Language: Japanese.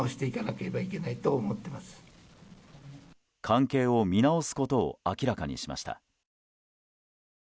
関係を見直すことを明らかにしました。